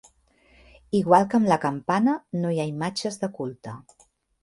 Igual que amb la campana, no hi ha imatges de culte.